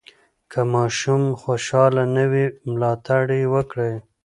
که ماشوم خوشحاله نه وي، ملاتړ یې وکړئ.